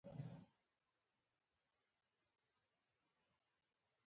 د زلزلې په مقابل کې کومې ډبرې زیات مقاومت لري؟